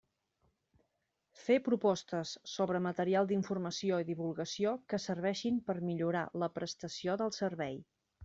Fer propostes sobre material d'informació i divulgació que serveixin per millorar la prestació del servei.